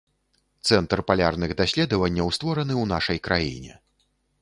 Цэнтр палярных даследаванняў створаны ў нашай краіне.